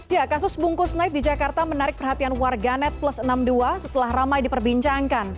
ya kasus bungkus naik di jakarta menarik perhatian warga net plus enam puluh dua setelah ramai diperbincangkan